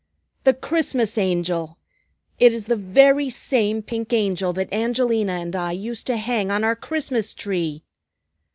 "The Christmas Angel! It is the very same pink Angel that Angelina and I used to hang on our Christmas tree!"